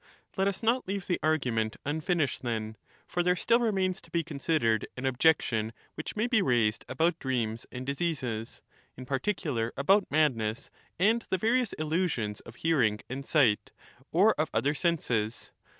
Let us not leave the argument unfinished, then ; for there still remains to be considered an objection which may be raised about dreams and diseases^" in particular about madness, and the various illusions of hearing and sight, or of other senses.